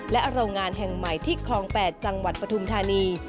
และโรงงานแห่งใหม่ที่คลอง๘จังหวัดปฐุมธานี